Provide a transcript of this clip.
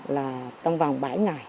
là trong vòng bảy ngày